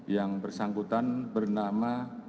yang bersangkutan bernama